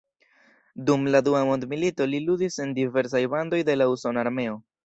Dum la Dua Mondmilito li ludis en diversaj bandoj de la usona armeo.